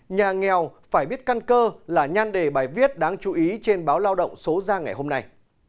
nhà nghèo phải biết căn cơ là nhan đề bài viết đáng chú ý trên báo lao động số ra ngày hôm nay